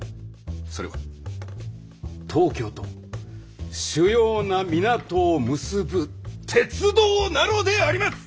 それは東京と主要な港を結ぶ鉄道なのであります！